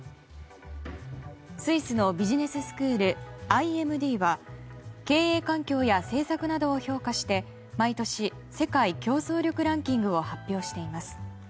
スイスのビジネススクールＩＭＤは経営環境や政策などを評価して毎年、世界競争力ランキングを発表しています。